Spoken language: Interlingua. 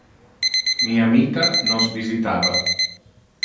Mi amita nos visitava.